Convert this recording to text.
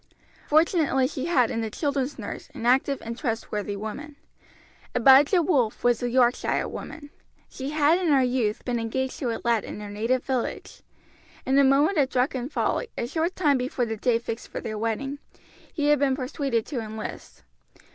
Fortunately she had in the children's nurse an active and trustworthy woman. Abijah Wolf was a Yorkshire woman. She had in her youth been engaged to a lad in her native village. In a moment of drunken folly, a short time before the day fixed for their wedding, he had been persuaded to enlist.